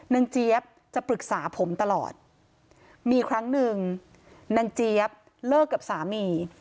เจี๊ยบจะปรึกษาผมตลอดมีครั้งหนึ่งนางเจี๊ยบเลิกกับสามี